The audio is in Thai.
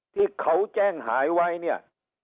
ที่เขาแจ้งหายไว้เนี่ย